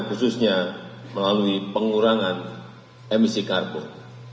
khususnya melalui pengurangan emisi karbon